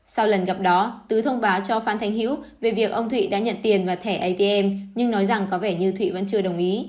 sau lần gặp đó tứ thông báo cho phan thánh hiễu về việc ông thụy đã nhận tiền vào thẻ atm nhưng nói rằng có vẻ như thụy vẫn chưa đồng ý